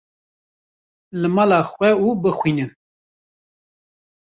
li mala xwe û bixwînin.